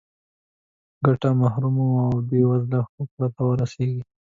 ګټه محرومو او بې وزله وګړو ته رسیږي.